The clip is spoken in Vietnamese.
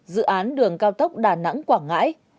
dự án đường cao tốc đông